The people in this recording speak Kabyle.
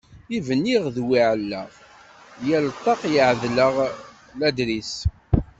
I bniɣ d wi ɛellaɣ, yal ṭṭaq ɛedleɣ ladris.